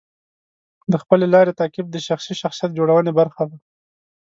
د خپلې لارې تعقیب د شخصي شخصیت جوړونې برخه ده.